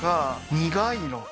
苦いのか？